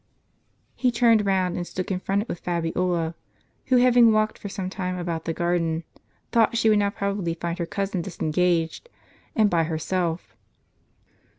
He turned round, and stood confronted with Fabiola, who, having" walked for some time about the garden, thought she would now probably find her cousin disengaged, and by her self.